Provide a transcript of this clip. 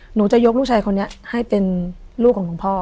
หนูจะยกลูกชายคนนี้ให้เป็นลูกของหลวงพ่อ